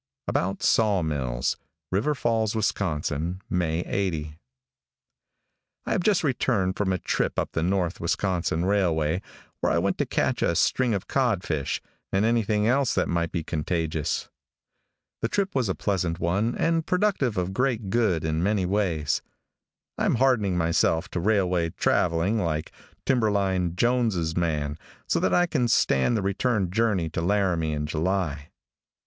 ABOUT SAW MILLS. River Falls, Wis., May 80. |I HAVE just returned from a trip up the North Wisconsin railway, where I went to catch a string of codfish, and anything else that might be contagious. The trip was a pleasant one and productive of great good in many ways. I am hardening myself to railway traveling, like Timberline Jones' man, so that I can stand the return journey to Laramie in July.